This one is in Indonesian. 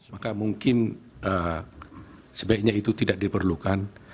maka mungkin sebaiknya itu tidak diperlukan